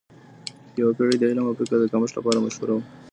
یوه پیړۍ د علم او فکر د کمښت لپاره مشهوره وه.